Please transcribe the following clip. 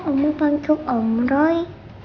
om bangcu om roy